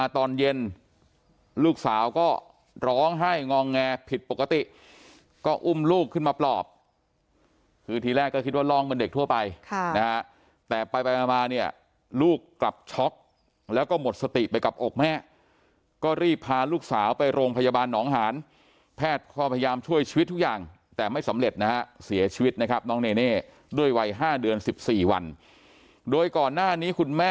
ตอนเย็นลูกสาวก็ร้องไห้งองแงผิดปกติก็อุ้มลูกขึ้นมาปลอบคือทีแรกก็คิดว่าร้องเหมือนเด็กทั่วไปนะฮะแต่ไปมาเนี่ยลูกกลับช็อกแล้วก็หมดสติไปกับอกแม่ก็รีบพาลูกสาวไปโรงพยาบาลหนองหานแพทย์ก็พยายามช่วยชีวิตทุกอย่างแต่ไม่สำเร็จนะฮะเสียชีวิตนะครับน้องเนเน่ด้วยวัย๕เดือน๑๔วันโดยก่อนหน้านี้คุณแม่